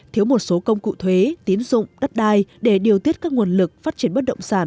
thiếu một số công cụ thuế tín dụng đất đai để điều tiết các nguồn lực phát triển bất động sản